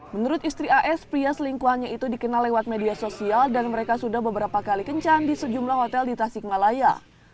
menurut istri as pria selingkuhannya itu dikenal lewat media sosial dan mereka sudah beberapa kali kencan di sejumlah hotel di tasikmalaya